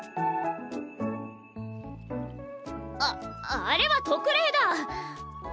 ああれは特例だ。